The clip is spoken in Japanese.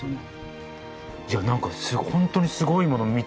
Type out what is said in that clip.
いや何か本当にすごいものを見てますよね。